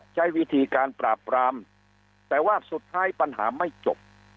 ใช้วิธีการปราบปรามแต่ว่าสุดท้ายปัญหาไม่จบ